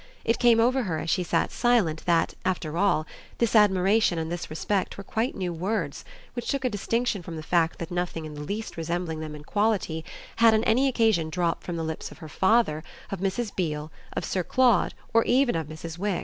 It came over her as she sat silent that, after all, this admiration and this respect were quite new words, which took a distinction from the fact that nothing in the least resembling them in quality had on any occasion dropped from the lips of her father, of Mrs. Beale, of Sir Claude or even of Mrs. Wix.